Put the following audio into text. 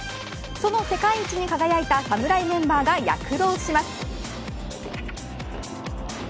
その世界一に輝いた侍メンバーが躍動します。